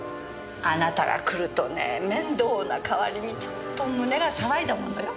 あなたが来るとね面倒な代わりにちょっと胸が騒いだものよ。